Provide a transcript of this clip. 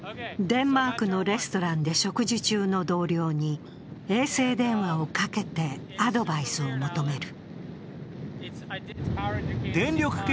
デンマークのレストランで食事中の同僚に衛星電話をかけてアドバイスを求める。